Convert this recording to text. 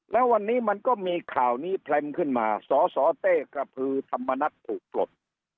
แล้ววันนี้มันก็มีข่าวนี้แพร่มขึ้นมาสสเต้กระพือธรรมนัฐถูกปลด